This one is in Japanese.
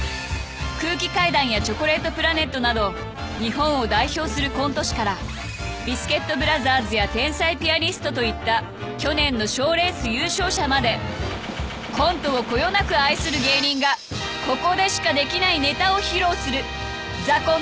［空気階段やチョコレートプラネットなど日本を代表するコント師からビスケットブラザーズや天才ピアニストといった去年の賞レース優勝者までコントをこよなく愛する芸人がここでしかできないネタを披露する『ＴＨＥＣＯＮＴＥ』］